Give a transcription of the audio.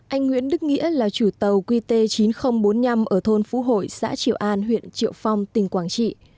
anh nguyễn đức nghĩa là chủ tàu qt chín nghìn bốn mươi năm ở thôn phú hội xã triệu an huyện triệu phong tỉnh quảng trị